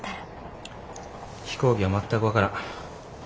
飛行機は全く分からん。